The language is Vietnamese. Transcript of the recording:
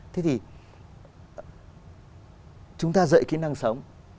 thế thì chúng ta dạy kỹ năng sống